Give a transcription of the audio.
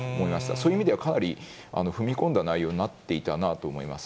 そういう意味では、かなり踏み込んだ内容になっていたなと思います。